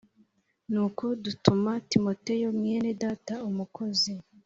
Nuko dutuma Timoteyo mwene Data umukozi